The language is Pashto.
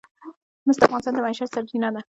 مس د افغانانو د معیشت سرچینه ده.